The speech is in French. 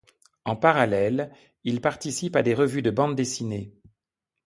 En parallèle, il participe à des revues de bande dessinée.